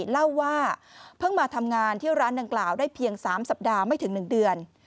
เล่าว่าเพิ่งมาทำงานที่ร้านดังกล่าวได้เพียง๓สัปดาห์ไม่ถึง๑เดือน